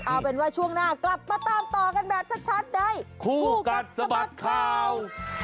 เอาเป็นว่าช่วงหน้ากลับมาตามต่อกันแบบชัดในคู่กัดสะบัดข่าว